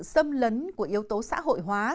xâm lấn của yếu tố xã hội hóa